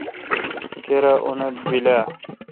کیرا اوتھ بیل اؘ۔